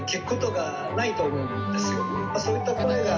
そういった声が。